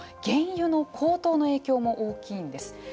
原油の高騰の影響も大きいんです。